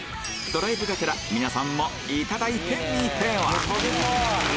ドライブがてら皆さんもいただいてみては？